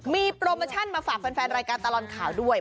มีโปรโมชั่นมาฝากแฟนรายการตลอดข่าวด้วย